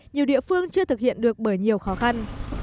nhiều địa phương chưa thực hiện được bởi nhiều khó khăn